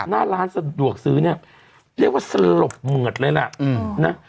หน้าร้านสะดวกซื้อเนี่ยเรียกว่าสลบเหมือดเลยล่ะนะ